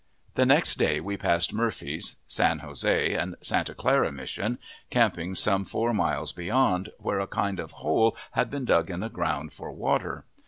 The next day we passed Murphy's, San Jose, and Santa Clara Mission, camping some four miles beyond, where a kind of hole had been dug in the ground for water.